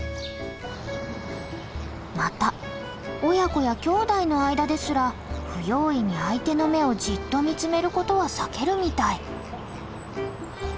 また親子や兄弟の間ですら不用意に相手の目をじっと見つめることは避けるみたい。